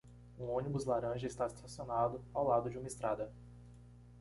Um ônibus laranja está estacionado ao lado de uma estrada.